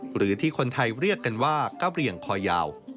หรือที่คนไทยเรียกกันว่ากะเหลี่ยงคอยาว